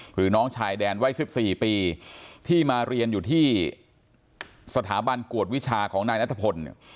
คือน้องชายแดนวัย๑๔ปีที่มาเรียนอยู่ที่สถาบันกวดวิชาของนายนัทพล